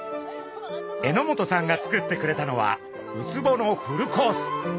榎本さんが作ってくれたのはウツボのフルコース。